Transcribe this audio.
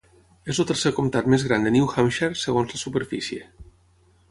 És el tercer comtat més gran de New Hampshire segons la superfície.